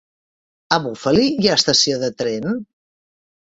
A Bufali hi ha estació de tren?